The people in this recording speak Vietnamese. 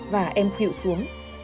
và em khịu xuống